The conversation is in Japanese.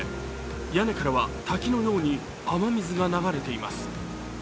屋根からは滝のように雨水が流れています。